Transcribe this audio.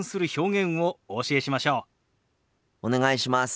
お願いします。